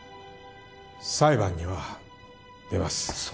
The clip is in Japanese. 裁判には出ます